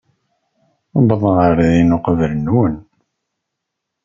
Uwḍeɣ ɣer din uqbel-nwen.